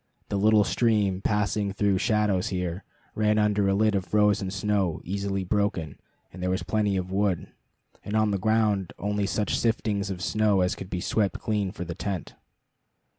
The little stream, passing through shadows here, ran under a lid of frozen snow easily broken, and there was plenty of wood, and on the ground only such siftings of snow as could be swept clean for the tent.